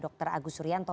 dan juga dr agus suryanto